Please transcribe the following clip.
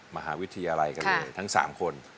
มหาวิทยาลัยกันเลยทั้ง๓คน